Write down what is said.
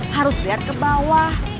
harus liat ke bawah